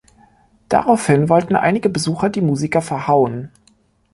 Daraufhin wollten einige Besucher die Musiker verhauen.